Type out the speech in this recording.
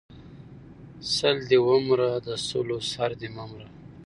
سل دې ومره د سلو سر دې مه مره!